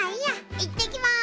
いってきます。